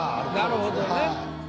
なるほどね。